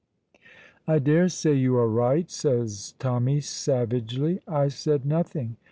"I daresay you are right," says Tommy, savagely. "I said nothing."